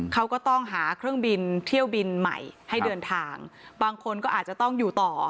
เขาก็ต้องหาเครื่องบินเที่ยวบินใหม่ให้เดินทางบางคนก็อาจจะต้องอยู่ต่อ